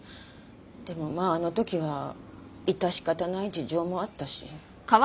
でもまああのときは致し方ない事情もあったし。